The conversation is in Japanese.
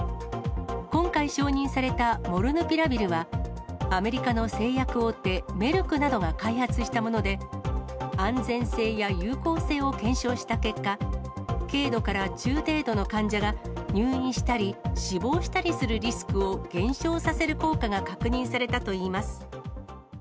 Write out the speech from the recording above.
今回承認されたモルヌピラビルは、アメリカの製薬大手、メルクなどが開発したもので、安全性や有効性を検証した結果、軽度から中程度の患者が入院したり死亡したりするリスクを減少させる効果が確認されたといいます。